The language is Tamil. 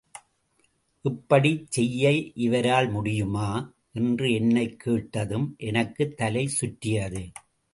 இப்படிச் செய்ய இவரால் முடியுமா? —என்று என்னைக் கேட்டதும், எனக்குத் தலை சுற்றியது.